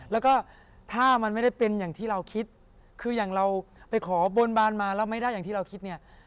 แล้วก็ถ้ามันไม่ได้เป็นอย่างที่เราคิดคืออย่างเราไปขอบนบานมาแล้วไม่ได้อย่างที่เราคิดเนี่ย